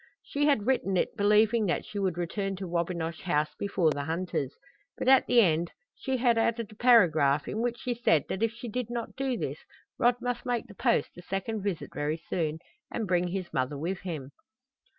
She had written it believing that she would return to Wabinosh House before the hunters, but at the end she had added a paragraph in which she said that if she did not do this Rod must make the Post a second visit very soon, and bring his mother with him.